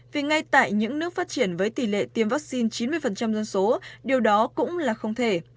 vì ngay tại những nước phát triển với tỷ lệ tiêm vaccine chín mươi dân số điều đó cũng là không thể